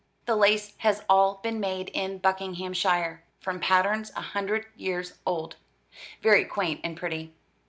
The lace has all been made in Buckinghamshire, from patterns a hundred years old very quaint and pretty.